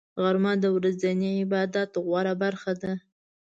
غرمه د ورځني عبادت غوره برخه ده